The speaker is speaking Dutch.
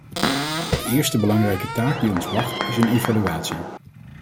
De eerste belangrijke taak die ons wacht, is een evaluatie.